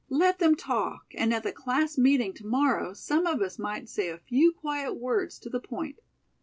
Let them talk and at the class meeting to morrow some of us might say a few quiet words to the point."